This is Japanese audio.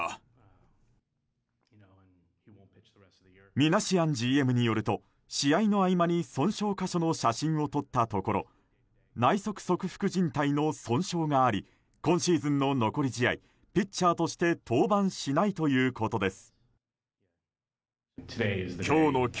ミナシアンＧＭによると試合の合間に損傷箇所の写真を撮ったところ内側側副じん帯の損傷があり今シーズンの残り試合ピッチャーとして登板しないということです。